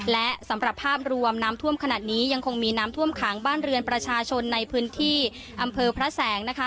และสำหรับภาพรวมน้ำท่วมขนาดนี้ยังคงมีน้ำท่วมขังบ้านเรือนประชาชนในพื้นที่อำเภอพระแสงนะคะ